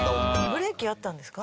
ブレーキはあったんですか？